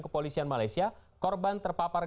kepolisian malaysia korban terpapar